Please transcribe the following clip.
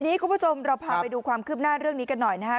คุณผู้ชมเราพาไปดูความคืบหน้าเรื่องนี้กันหน่อยนะครับ